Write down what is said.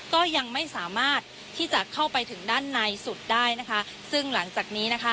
ก็ยังไม่สามารถที่จะเข้าไปถึงด้านในสุดได้นะคะซึ่งหลังจากนี้นะคะ